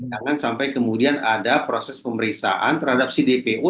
jangan sampai kemudian ada proses pemeriksaan terhadap si dpo